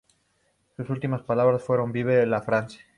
Sus últimas palabras fueron: "Vive la France".